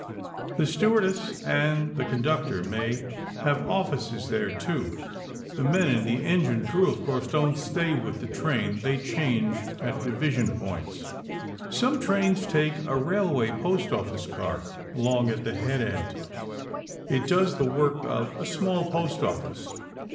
The stewardess and the conductor may have offices there, too. (The men in the engine crew, of course, don't stay with the train. They change at division points.) Some trains take a Railway Post Office car along at the head end. It does the work of a small post office.